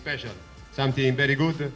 sesuatu yang sangat bagus